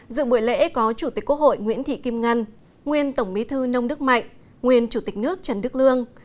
dự buổi lễ có chủ tịch quốc hội nguyễn thị kim ngân nguyên tổng bí thư nông đức mạnh nguyên chủ tịch nước trần đức lương